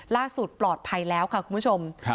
ล่าสุดปลอดภัยแล้วค่ะคุณผู้ชม